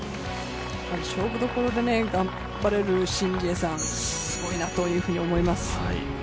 勝負どころで頑張れるシン・ジエさん、すごいなというふうに思います。